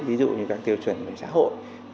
ví dụ như các tiêu chuẩn về xã hội